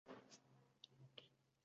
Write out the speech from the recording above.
Borligini qaydan bilamiz?!